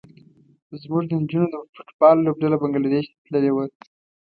زموږ د نجونو د فټ بال لوبډله بنګلادیش ته تللې وه.